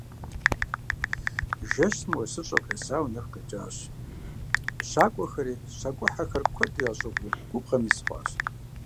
Жэщым уэсыщӀэр къесауэ нэху къекӀащ, щакӀуэхэри, щакӀухьэхэр куэду ящӀыгъуу, губгъуэм из хъуащ.